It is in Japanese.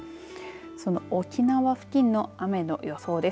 その沖縄付近の雨の予想です。